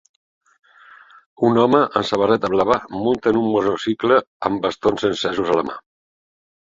Un home amb samarreta blava munta en un monocicle amb bastons encesos a la mà.